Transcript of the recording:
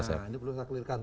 nah ini perlu saya klirkan